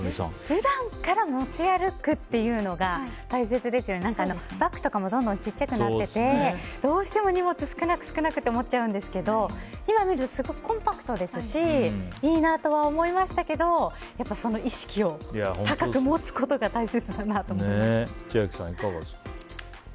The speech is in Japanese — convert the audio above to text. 普段から持ち歩くっていうのが大切ですよね、バッグとかもどんどん小さくなっていてどうしても荷物少なくって思っちゃうんですけど今見るとすごくコンパクトですしいいなとは思いましたけどやっぱり意識を高く持つことが千秋さん、いかがですか？